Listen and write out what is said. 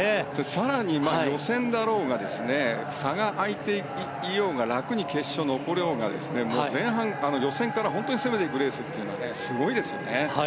更に、予選だろうが差が開いていようが楽に決勝に残ろうが前半、予選から本当に攻めていくレースというのはすごいですよね。